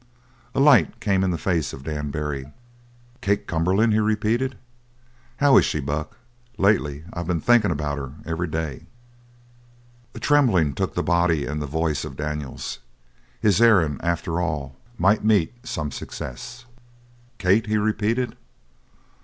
A light came in the face of Dan Barry. "Kate Cumberland?" he repeated. "How is she, Buck? Lately, I been thinkin' about her every day." A trembling took the body and the voice of Daniels; his errand, after all, might meet some success. "Kate?" he repeated.